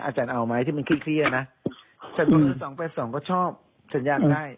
อาจารย์เอาไหมที่มันคลิกเที่ยวน่ะสองแปดสองก็ชอบฉันอยากได้